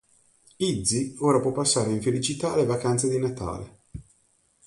Izzy ora può passare in felicità le vacanze di Natale.